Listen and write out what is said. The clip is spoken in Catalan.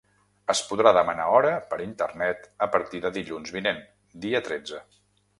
Es podrà demanar hora per internet a partir de dilluns vinent, dia tretze.